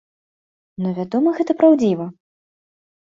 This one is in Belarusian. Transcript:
Ну вядома, гэта праўдзіва.